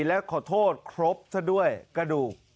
และขอโทษครบซะด้วยกระดูก